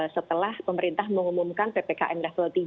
setelah pemerintah mengumumkan ppkm level tiga